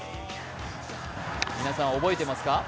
皆さん覚えていますか？